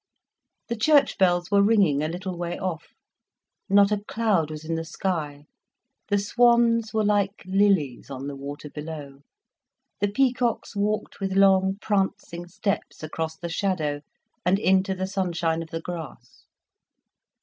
The church bells were ringing a little way off, not a cloud was in the sky, the swans were like lilies on the water below, the peacocks walked with long, prancing steps across the shadow and into the sunshine of the grass.